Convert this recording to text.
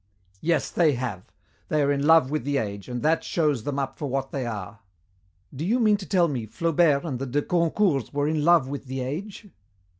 "Yes, they have. They are in love with the age, and that shows them up for what they are." "Do you mean to tell me Flaubert and the De Goncourts were in love with the age?"